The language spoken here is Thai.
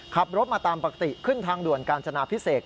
ขับรถมาตามปกติขึ้นทางด่วนกาญจนาพิเศษ